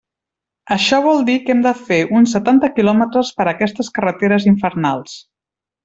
Això vol dir que hem de fer uns setanta quilòmetres per aquestes carreteres infernals.